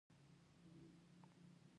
زما عزت باندې دې اور ولږاونه